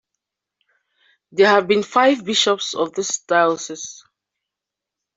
There have been five bishops of this diocese.